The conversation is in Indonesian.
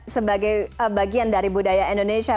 sebagai bagian dari budaya indonesia